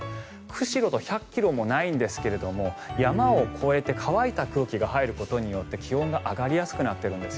釧路と１００ｋｍもないんですが山を越えて乾いた空気が入ることにより気温が上がっています。